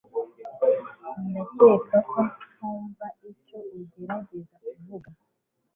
Ndakeka ko ntumva icyo ugerageza kuvuga